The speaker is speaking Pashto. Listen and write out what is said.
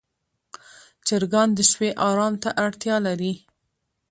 چرګان د شپې آرام ته اړتیا لري.